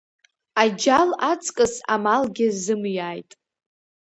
Аџьал аҵкыс амалгьы зымиааит.